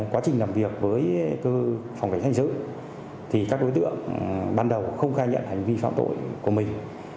quá trình làm việc với phòng bánh xét sự thì các đối tượng ban đầu không khai nhận hành vi phạm tội của mình